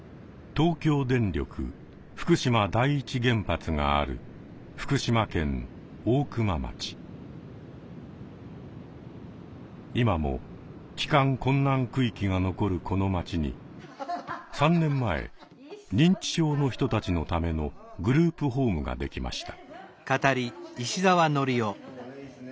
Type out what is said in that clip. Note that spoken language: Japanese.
東京電力福島第一原発がある今も帰還困難区域が残るこの町に３年前認知症の人たちのためのグループホームができました。